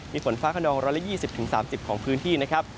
มีฝนฟ้าขนอง๑๒๐๓๐ของพื้นที่นะครับ